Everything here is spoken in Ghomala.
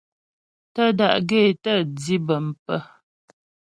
Tə́́ da'gaə́ é tə́ dǐ bəm pə̀.